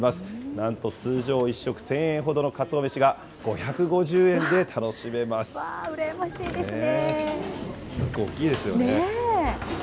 なんと通常１食１０００円ほどのかつおめしが５５０円で楽しめまわー、羨ましいですね。